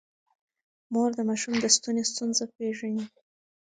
مور د ماشوم د ستوني ستونزه پېژني.